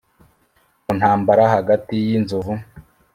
mu ntambara hagati y'inzovu,